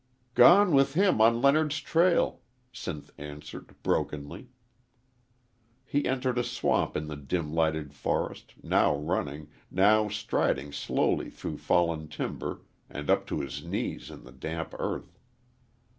"Gone with him on Leonard's Trail," Sinth answered, brokenly. He entered a swamp in the dim lighted forest, now running, now striding slowly through fallen timber and up to his knees in the damp earth.